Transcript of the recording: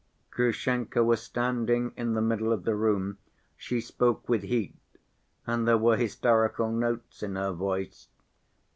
Grushenka was standing in the middle of the room; she spoke with heat and there were hysterical notes in her voice.